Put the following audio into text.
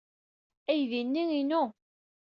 Aydi-nni inu.